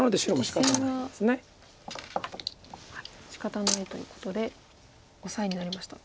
しかたないということでオサエになりました。